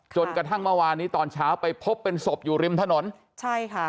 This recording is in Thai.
จนกระทั่งเมื่อวานนี้ตอนเช้าไปพบเป็นศพอยู่ริมถนนใช่ค่ะ